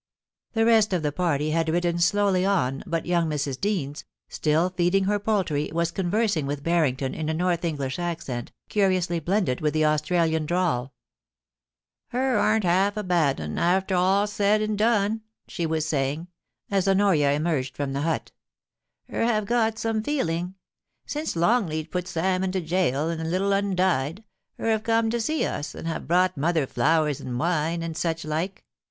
The rest of the party had ridden slowly on, but young Mrs. Deans, still feeding her poultry, was conversing with Barrington in a north English accent, curiously blended with the Australian drawl ' Hur arn't half a bad un, arter all's said and done,' she was saying, as Honoria emerged from the huL * Hur have got some feeling. Since Longleat put Sam into gaol, and the little un died, hur have come to see us, and have brought mother flowers and wine, and such like.